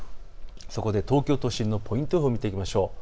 そこで東京都心のポイント予報を見ていきましょう。